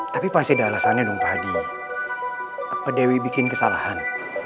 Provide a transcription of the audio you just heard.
tapi pasti ada alasannya dong pak hadi apa dewi bikin kesalahan